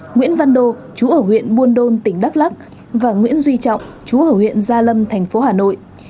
nguyễn văn đô chú ở huyện buôn đôn tỉnh đắk lắc và nguyễn duy trọng chú ở huyện gia lâm thành phố hà nội